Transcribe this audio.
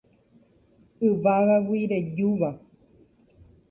Yvágagui rejúva